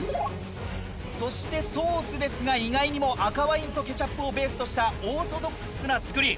そしてソースですが意外にも赤ワインとケチャップをベースとしたオーソドックスな作り。